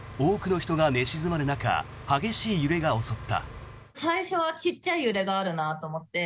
多くの人が寝静まる中激しい揺れが襲った。